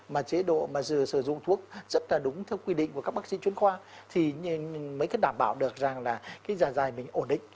mà chế độ mà sử dụng thuốc rất là đúng theo quy định của các bác sĩ chuyên khoa thì mới đảm bảo được rằng là cái giả dày mình ổn định